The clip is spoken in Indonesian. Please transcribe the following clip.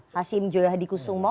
hasim joya hadiku sungguh